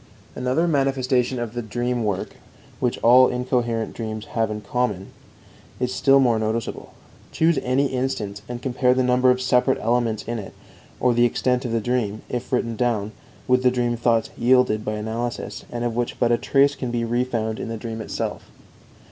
Another manifestation of the dream work which all incoherent dreams have in common is still more noticeable. Choose any instance, and compare the number of separate elements in it, or the extent of the dream, if written down, with the dream thoughts yielded by analysis, and of which but a trace can be refound in the dream itself.